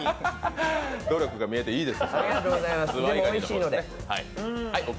努力が見えていいです。